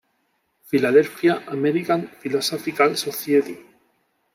Philadelphia: American Philosophical Society.